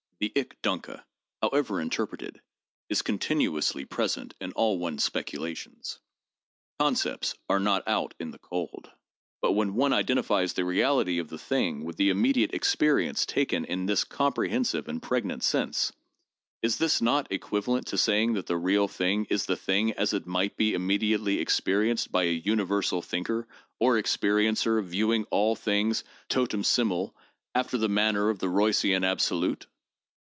The ich denkeŌĆö however interpreted ŌĆö is continuously present in all one's speculations; concepts are not out in the cold. But when one identifies the reality of the thing with the immediate experience taken in this comprehensive and pregnant sense, is this not equivalent to saying that the real thing is the thing as it might be immediately experienced by a universal thinker or experiencer viewing all things Mum simul, after the manner of the Roycian absolute?